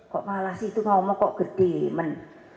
kok malah situ ngomong kok gede men